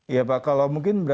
ya pak kalau mungkin berarti